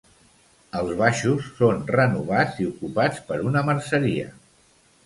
Els baixos són renovats i ocupats per una merceria.